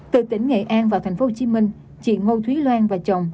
từ tỉnh nghệ an vào tp hcm chị ngô thúy loan và chồng